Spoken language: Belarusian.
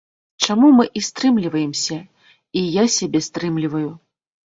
Чаму мы і стрымліваемся, і я сябе стрымліваю.